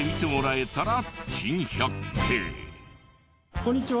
こんにちは。